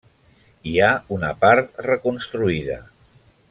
Hi ha una part reconstruïda.